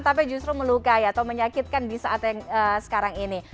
tapi justru melukai atau menyakitkan di saat yang sekarang ini